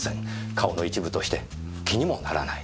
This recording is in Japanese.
顔の一部として気にもならない。